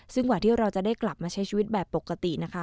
ซึ่งกว่าที่เราจะได้กลับมาใช้ชีวิตแบบปกตินะคะ